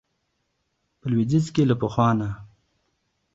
په لويديځ کې له پخوا نه